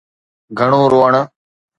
گهڻو روئڻ.